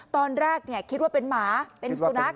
ตอนแรกคิดว่าเป็นหมาเป็นสุนัข